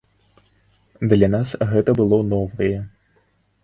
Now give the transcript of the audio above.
Для нас гэта было новае.